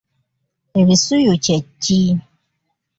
Ebisuyu kye ki?